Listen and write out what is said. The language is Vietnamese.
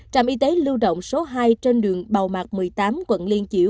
trạm y tế lưu động số hai trên đường bào mạc một mươi tám quận liên chiểu